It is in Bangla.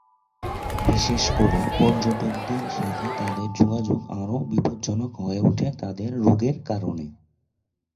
বিশেষ করে পর্যটকদের সাথে তাদের যোগাযোগ আরও বিপজ্জনক হয়ে ওঠে তাদের রোগের কারণে।